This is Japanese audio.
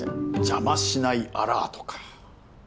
じゃましないアラートか。